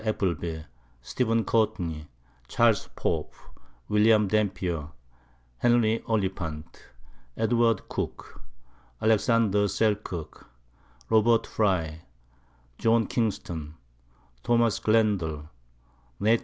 Appleby, Stephen Courtney, Charles Pope, William Dampier, Henry Oliphant, Edw. Cooke, Alex. Selkirk, Rob. Frye, John Kingston, Tho. Glendall, Nath.